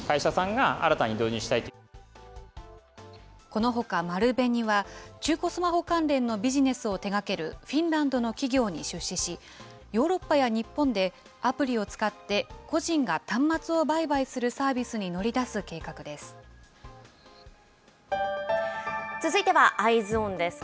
このほか、丸紅は中古スマホ関連のビジネスを手がけるフィンランドの企業に出資し、ヨーロッパや日本で、アプリを使って個人が端末を売買す続いては、Ｅｙｅｓｏｎです。